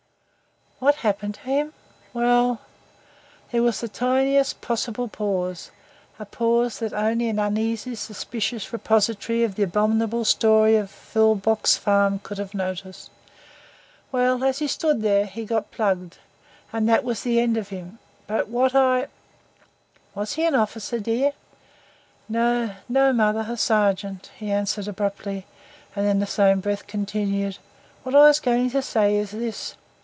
"What happened to him? Well " there was the tiniest possible pause a pause that only an uneasy, suspicious repository of the abominable story of Vilboek's Farm could have noticed "Well, as he stood there he got plugged and that was the end of him. But what I " "Was he an officer, dear?" "No, no, mother, a sergeant," he answered abruptly, and in the same breath continued. "What I was going to say is this.